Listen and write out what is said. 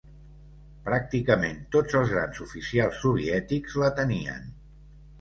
Pràcticament tots els grans oficials soviètics la tenien.